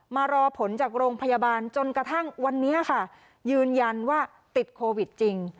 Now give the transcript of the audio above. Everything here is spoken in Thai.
รอผลจากโรงพยาบาลจนกระทั่งวันนี้ค่ะยืนยันว่าติดโควิดจริง